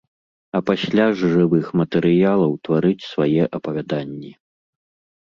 А пасля з жывых матэрыялаў тварыць свае апавяданні.